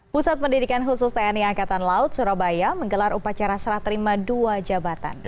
pusat pendidikan khusus tni angkatan laut surabaya menggelar upacara serah terima dua jabatan